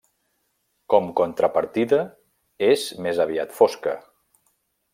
Com contrapartida és més aviat fosca.